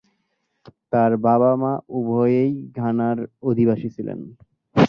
তার বাবা মা উভয়েই ঘানার অধিবাসী ছিলেন।